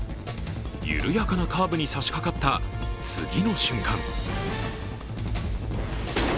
緩やかなカーブに差しかかった次の瞬間